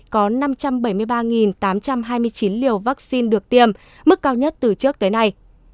có năm trăm bảy mươi ba tám trăm hai mươi chín liều vaccine được tiêm mức cao nhất từ trước tới nay